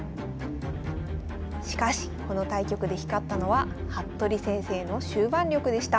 しかしこの対局で光ったのは服部先生の終盤力でした。